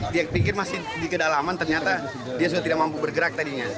dia pikir masih di kedalaman ternyata dia sudah tidak mampu bergerak tadinya